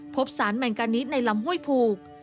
พบสารแมงกานิดในลำห้วยผูก